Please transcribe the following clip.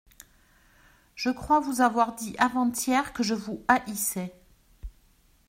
Je crois vous avoir dit avant-hier que je vous haïssais.